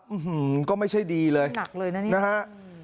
อื้อหือก็ไม่ใช่ดีเลยนักเลยนะนี่